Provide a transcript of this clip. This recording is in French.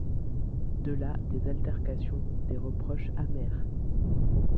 De là des altercations, des reproches amers.